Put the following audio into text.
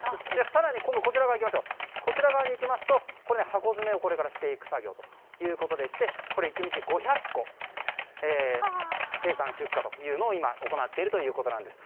更に、こちら側では箱詰めをこれからしていく作業ということでして１日５００個、生産・出荷を今、行っているということです。